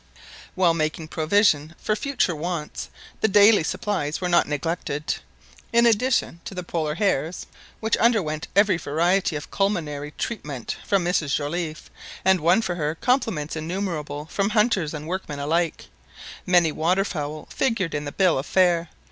While making provision for future wants, the daily supplies were not neglected. In addition to the Polar hares, which underwent every variety of culinary treatment from Mrs Joliffe, and won for her compliments innumerable from hunters and workmen alike, many waterfowl figured in the bill of fare.